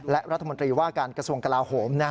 และรัฐมนตรีว่าการกระทรวงกลาโหม